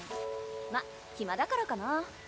まっ暇だからかな。